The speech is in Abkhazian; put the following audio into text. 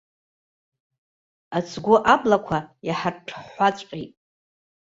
Ацгәы абла иаҳарҭәҳәаҵәҟьеит!